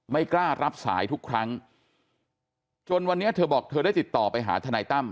ไม่กล้ารับสายทุกครั้งจนวันนี้เธอบอกเธอได้ติดต่อไปหาทนายตั้ม